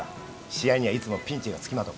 試合にはいつもピンチがつきまとう。